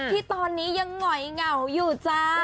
ที่ตอนนี้ยังหงอยเหงาอยู่จ้า